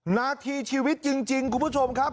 นาทีชีวิตจริงคุณผู้ชมครับ